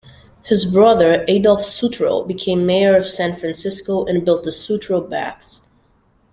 His brother Adolph Sutro became Mayor of San Francisco, and built the Sutro Baths.